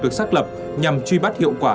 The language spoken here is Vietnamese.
được xác lập nhằm truy bắt hiệu quả